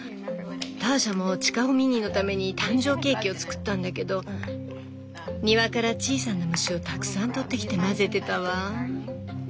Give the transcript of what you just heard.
ターシャもチカホミニーのために誕生ケーキを作ったんだけど庭から小さな虫をたくさんとってきて混ぜてたわ。